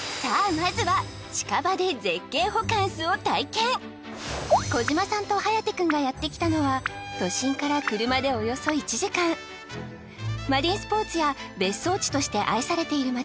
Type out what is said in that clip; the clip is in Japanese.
まずは児嶋さんと颯くんがやってきたのは都心から車でおよそ１時間マリンスポーツや別荘地として愛されている街